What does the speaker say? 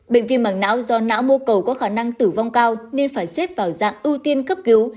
bệnh viêm mảng não do não mô cầu có khả năng tử vong cao nên phải xếp vào dạng ưu tiên cấp cứu